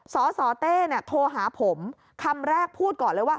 สสเต้โทรหาผมคำแรกพูดก่อนเลยว่า